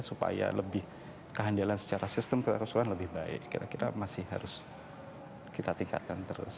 supaya lebih kehandalan secara sistem kerusuhan lebih baik kira kira masih harus kita tingkatkan terus